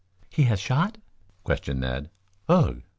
"He has shot?" questioned Ned. "Ugh."